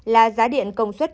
là giá điện công suất